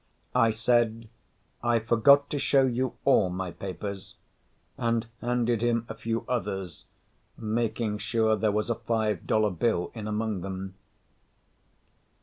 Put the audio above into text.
I said, "I forgot to show you all my papers," and handed him a few others, making sure there was a five dollar bill in among them.